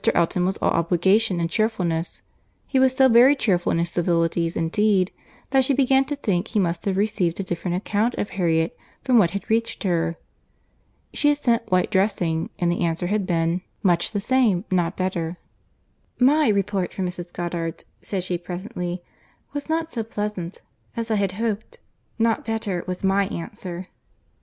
Elton was all obligation and cheerfulness; he was so very cheerful in his civilities indeed, that she began to think he must have received a different account of Harriet from what had reached her. She had sent while dressing, and the answer had been, "Much the same—not better." "My report from Mrs. Goddard's," said she presently, "was not so pleasant as I had hoped—'Not better' was my answer."